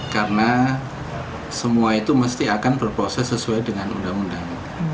karena semua itu mesti akan berproses sesuai dengan undang undang